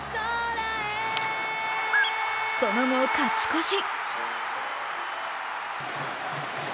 その後、勝ち越し。